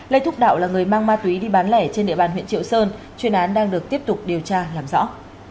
lê thúc đạo là người mang ma túy đi bán lẻ trên địa bàn huyện triệu sơn chuyên án đang được tiếp tục điều tra làm rõ